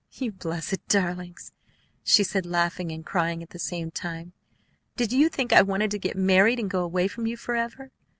"You blessed darlings!" she said, laughing and crying at the same time. "Did you think I wanted to get married and go away from you forever?